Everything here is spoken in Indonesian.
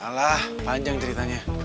alah panjang ceritanya